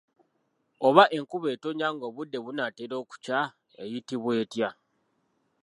Oba enkuba etonnya ng’obudde bunaatera okukya eyitibwa etya?